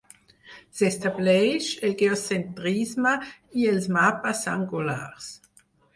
S'hi estableix el geocentrisme i els mapes angulars.